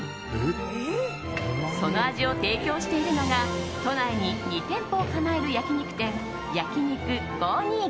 その味を提供しているのが都内に２店舗を構える焼き肉店ＹＡＫＩＮＩＫＵ５２９．。